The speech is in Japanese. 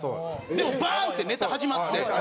でもバーンってネタ始まって。